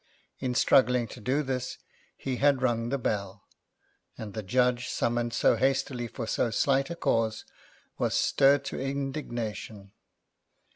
In struggling to do this, he had rung the bell, and the judge, summoned so hastily for so slight a cause, was stirred to indignation.